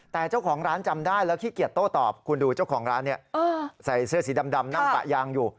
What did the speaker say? แต่เจ้าของร้านจำได้แล้วขี้เกียจโต้ตอบคุณดูเจ้าของร้านเนี่ยใส่เสื้อสีดำนั่งปะยางอยู่